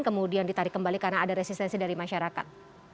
kemudian ditarik kembali karena ada resistensi dari masyarakat